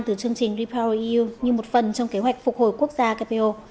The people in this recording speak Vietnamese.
từ chương trình repower eu như một phần trong kế hoạch phục hồi quốc gia kpo